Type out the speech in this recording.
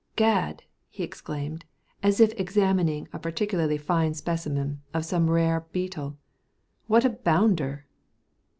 "Gad!" he exclaimed as if examining a particularly fine specimen of some rare beetle, "what a bounder."